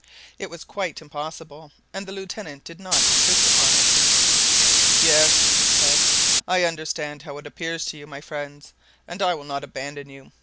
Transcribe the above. It was quite impossible, and the Lieutenant did not insist upon it. "Yes," he said, "I understand how it appears to you, my friends, and I will not abandon you.